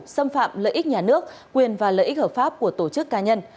xâm phạm lợi ích nhà nước quyền và lợi ích hợp pháp của tổ chức cá nhân